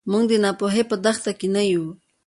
موږ به د ناپوهۍ په دښته کې نه یو.